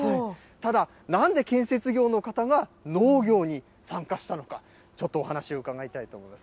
ただ、なんで建設業の方が農業に参加したのか、ちょっとお話を伺いたいと思います。